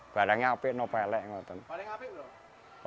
barangnya hape tidak berapa